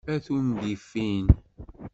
A tungifin!